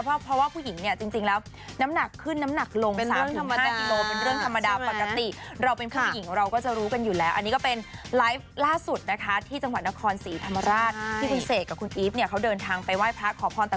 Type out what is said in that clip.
เพราะว่าผู้หญิงเนี่ยจริงแล้วน้ำหนักขึ้นน้ำหนักลง๓๕กิโลเป็นเรื่องธรรมดาปกติ